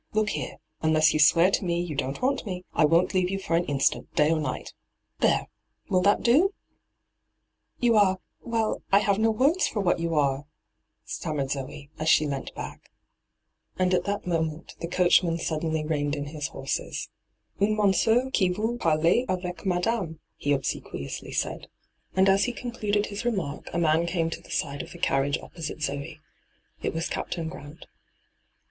Look here : unless you swear to me you don't want me, I won't leave you for an instant, day or night ! There I Will that do V ' You are — well, I have no words for what yon are,' stammered Zoe, as she leant back. hyGoogIc ENTRAPPED 229 And at that moment the coachman suddenly reined in his horses. ' Un monsieur qui veut parler avec madame,' he obsequiously said. And as he concluded his remark a man came to the side of the carriage opposite Zoe. It was Captain Grant.